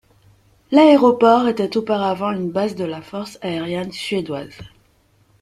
L'aéroport était auparavant une base de la Force aérienne suédoise.